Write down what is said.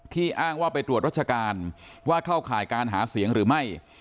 อ้างว่าไปตรวจรัชการว่าเข้าข่ายการหาเสียงหรือไม่